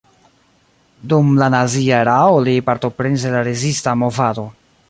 Dum la nazia erao li partoprenis en la rezista movado.